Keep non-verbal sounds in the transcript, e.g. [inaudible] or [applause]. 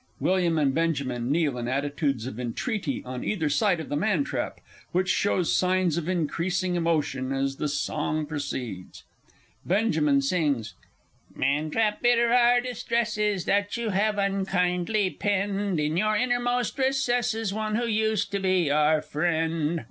[WILLIAM and BENJAMIN kneel in attitudes of entreaty on either side of the Man trap, which shows signs of increasing emotion as the song proceeds. Benjamin. [sings] Man trap, bitter our distress is That you have unkindly penned In your innermost recesses One who used to be our friend!